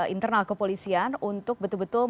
internal kepolisian untuk betul betul